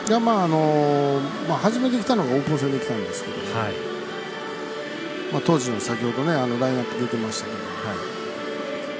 初めて来たのがオープン戦で来たんですけど当時の先ほどラインナップ出てましたけど。